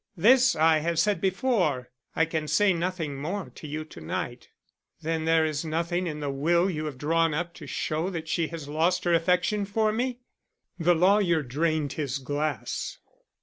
This I have said before; I can say nothing more to you to night." "Then there is nothing in the will you have drawn up to show that she has lost her affection for me?" The lawyer drained his glass.